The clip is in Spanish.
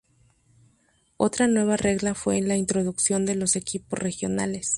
Otra nueva regla fue la introducción de los equipos regionales.